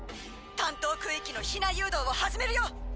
担当区域の避難誘導を始めるよ！